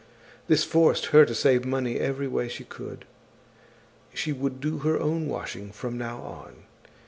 This forced her to save money every way she could. She would do her own washing from now on.